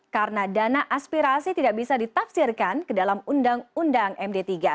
karena dana aspirasi tidak bisa ditafsirkan ke dalam undang undang md tiga